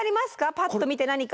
パッと見て何か。